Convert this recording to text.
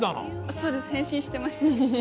そうです変身してました。